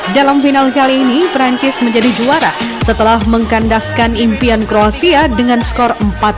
dalam final kali ini perancis menjadi juara setelah mengkandaskan impian kroasia dengan skor empat satu